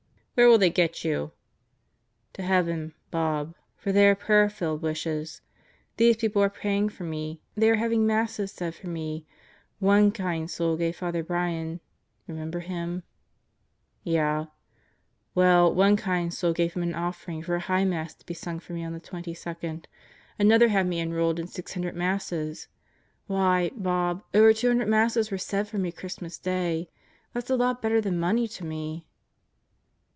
"Where will they get you?" "To heaven, Bob; for they are prayer filled wishes. These people are praying for me. They are having Masses said for me. One kind soul gave Father Brian remember him? " "Yeah." "... Well, one kind soul gave him an offering for a high Mass to be sung for me on the 22nd. Another had me enrolled Out of the Devifc Clutches 153 in 600 Masses. Why, Bob, over 200 Masses were said for me Christmas Day. That's a lot better than money to me."